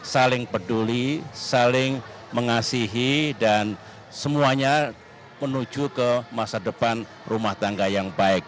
saling peduli saling mengasihi dan semuanya menuju ke masa depan rumah tangga yang baik